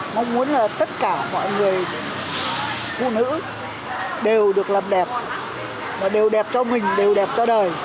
mong muốn là tất cả mọi người phụ nữ đều được làm đẹp và đều đẹp cho mình đều đẹp cho đời